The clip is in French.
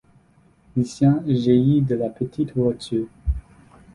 Lucien jaillit de la petite voiture.